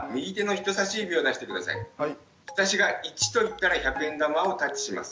私が１と言ったら１００円玉をタッチします。